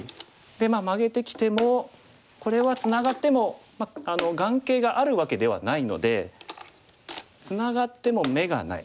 でマゲてきてもこれはツナがっても眼形があるわけではないのでツナがっても眼がない。